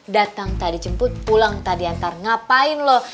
datang tak dicemput pulang tak diantar ngapain lo